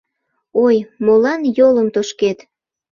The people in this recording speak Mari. — Ой, молан йолым тошкет?